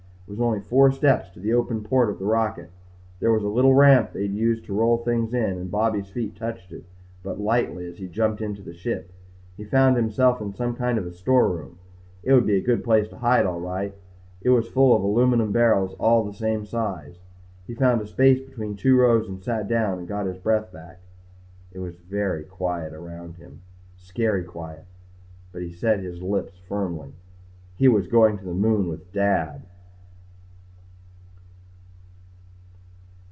It was only four steps to the open port of the rocket. There was a little ramp they'd used to roll things in and Bobby's feet touched it but lightly as he jumped into the ship. He found himself in some kind of a storeroom. It would be a good place to hide all right. It was full of aluminum barrels all the same size. He found a space between two rows and sat down and got his breath back. It was very quiet around him. Scary quiet. But he set his lips firmly. He was going to the moon with Dad.